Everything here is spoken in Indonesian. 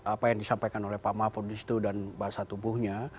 apa yang disampaikan oleh pak mahfud di situ dan bahasa tubuhnya